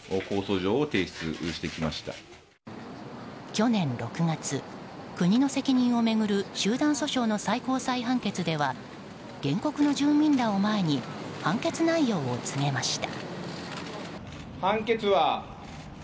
去年６月、国の責任を巡る集団訴訟の最高裁判決では原告の住民らを前に判決内容を告げました。